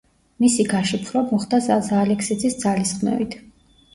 მისი გაშიფრვა მოხდა ზაზა ალექსიძის ძალისხმევით.